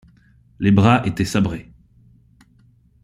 Les bras étaient sabrés.